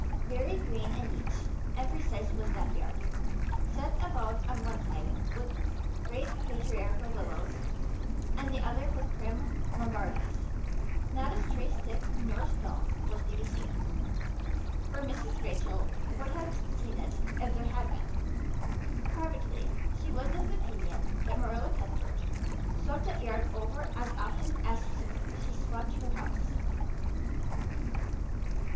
Very green and neat and precise was that yard, set about on one side with great patriarchal willows and the other with prim Lombardies. Not a stray stick nor stone was to be seen, for Mrs. Rachel would have seen it if there had been. Privately she was of the opinion that Marilla Cuthbert swept that yard over as often as she swept her house.